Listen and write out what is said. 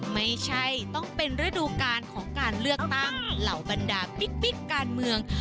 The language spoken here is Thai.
ไม่ใช่ต้องเป็นฤดูการของการเลือกตั้งเหล่าบรรดาปิ๊กการเมือง